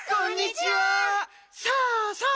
さあさあ